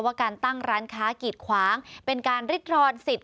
ว่าการตั้งร้านค้ากีดขวางเป็นการริดรอนสิทธิ